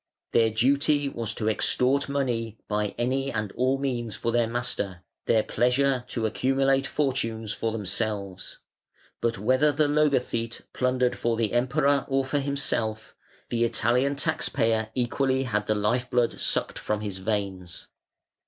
Their duty was to extort money by any and all means for their master, their pleasure to accumulate fortunes for themselves; but whether the logothete plundered for the Emperor or for himself, the Italian tax payer equally had the life blood sucked from his veins.